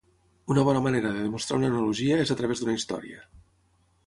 Una bona manera de demostrar una analogia es a través d'una història.